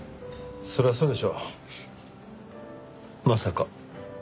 そりゃそうでしょまさか課長が。